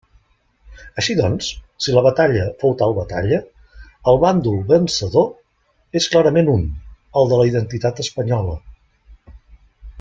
Així doncs, si la Batalla fou tal batalla, el bàndol vencedor és clarament un: el de la identitat espanyola.